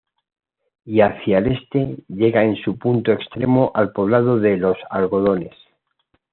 Y hacia el este, llega en su punto extremo al poblado de Los Algodones.